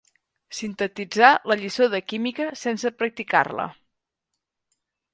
Sintetitzà la lliçó de química sense practicar-la.